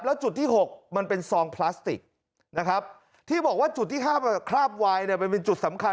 แล้วจุดที่๖มันเป็นซองพลาสติกนะครับที่บอกว่าจุดที่ห้ามคราบวายเนี่ยมันเป็นจุดสำคัญ